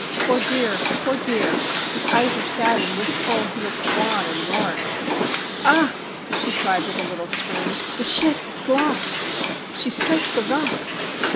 Poor dear ! poor dear ! His eyes are sad and wistful, and he looks wan and worn. Ah !' she cried with a little scream, ' the ship is lost. She strikes the rocks.'